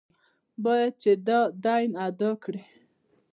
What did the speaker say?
باید چې دا دین ادا کړي.